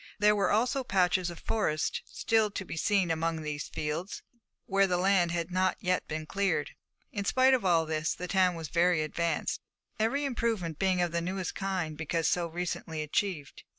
There were also patches of forest still to be seen among these fields, where the land had not yet been cleared. In spite of all this, the town was very advanced, every improvement being of the newest kind because so recently achieved.